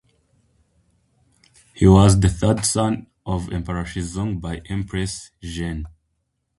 He was the third son of Emperor Shizong by Empress Zhen.